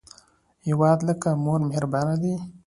هیواد لکه مور مهربانه دی